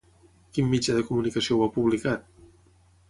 Quin mitjà de comunicació ho ha publicat?